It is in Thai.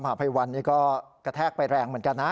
ภัยวันนี่ก็กระแทกไปแรงเหมือนกันนะ